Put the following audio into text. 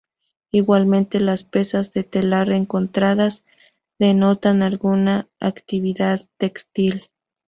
Igualmente, las pesas de telar encontradas denotan alguna actividad textil.